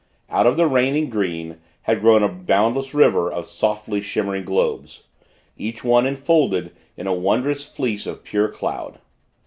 Out of the reigning green, had grown a boundless river of softly shimmering globes each one enfolded in a wondrous fleece of pure cloud.